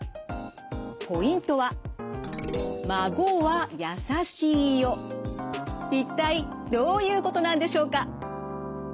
ポイントは一体どういうことなんでしょうか。